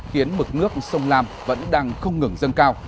khiến mực nước sông lam vẫn đang không ngừng dâng cao